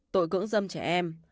tội cứng dâm trẻ em